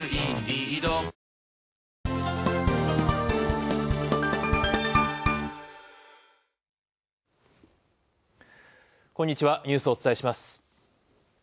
こんにちは、ニュースをお伝えします。